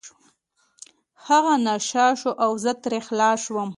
هغه نشه شو او زه ترې خلاص شوم.